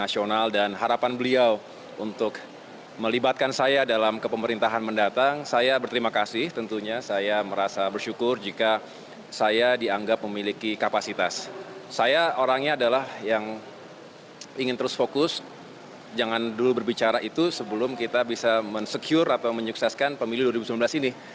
saya orangnya adalah yang ingin terus fokus jangan dulu berbicara itu sebelum kita bisa men secure atau menyukseskan pemilih dua ribu sembilan belas ini